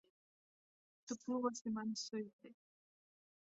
Tu plosi manu sirdi.